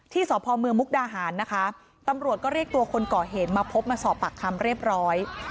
สพเมืองมุกดาหารนะคะตำรวจก็เรียกตัวคนก่อเหตุมาพบมาสอบปากคำเรียบร้อย